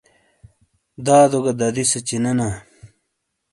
دادو گہ ددی سے چینے نا